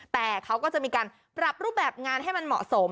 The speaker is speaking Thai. แต่เขาก็จะมีการปรับรูปแบบงานให้มันเหมาะสม